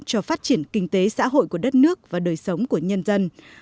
cho phát triển kinh tế xã hội của đất nước và đời sống của nhân dân